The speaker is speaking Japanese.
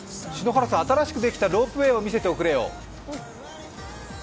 新しくできたロープウェイを見せておくれよ。